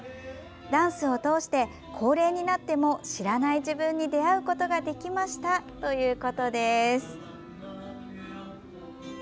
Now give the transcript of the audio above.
ダンスを通して、高齢になっても知らない自分に出会うことができましたということです。